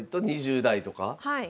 はい。